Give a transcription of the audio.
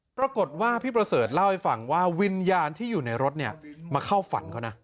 ปรากฏว่าพี่ประเสริฐเล่าให้ฟังว่าวิญญาณที่อยู่ในรถมาเข้าฝันเขานะ